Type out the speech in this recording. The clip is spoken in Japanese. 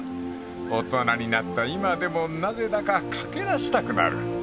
［大人になった今でもなぜだか駆け出したくなる］